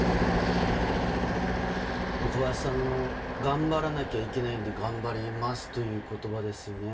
小林さんの頑張らなきゃいけないので頑張りますという言葉ですよね。